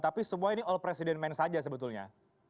tapi semua ini all president man saja sebetulnya